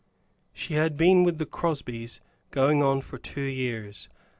She had been with the Crosbys going on for two years.